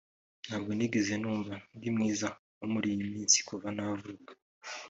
« Ntabwo nigeze numva ndi mwiza nko muri iyi minsi kuva navuka